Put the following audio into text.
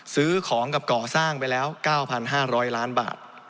ซื้อของกับก่อสร้างไปแล้ว๙๕๐๐ล้านบาท